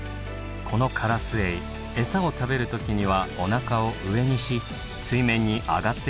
このカラスエイ餌を食べる時にはおなかを上にし水面に上がってくるのです。